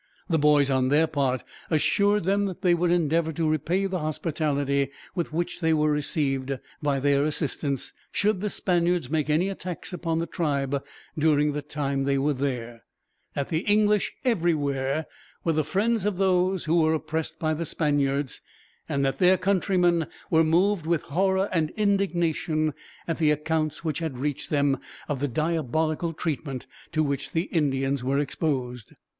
The boys, on their part, assured them that they would endeavor to repay the hospitality with which they were received by their assistance, should the Spaniards make any attacks upon the tribe during the time they were there; that the English, everywhere, were the friends of those who were oppressed by the Spaniards; and that their countrymen were moved, with horror and indignation, at the accounts which had reached them of the diabolical treatment to which the Indians were exposed.